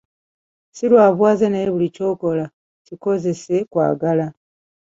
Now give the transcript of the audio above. Si lwa buwaze naye buli ky'okola kikozese kwagala.